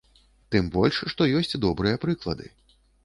Тым больш што ёсць добрыя прыклады.